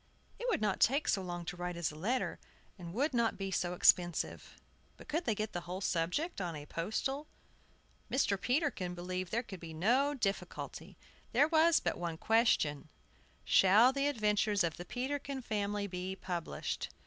It would not take so long to write as a letter, and would not be so expensive. But could they get the whole subject on a postal? Mr. Peterkin believed there could be no difficulty, there was but one question: Shall the adventures of the Peterkin family be published?